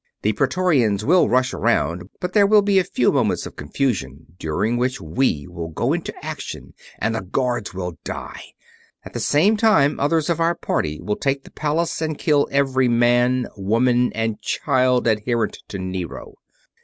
The Praetorians will rush around, but there will be a few moments of confusion during which we will go into action and the guards will die. At the same time others of our party will take the palace and kill every man, woman, and child adherent to Nero."